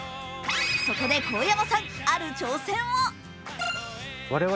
そこで神山さん、ある挑戦を。